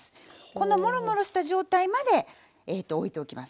このもろもろした状態までおいておきます。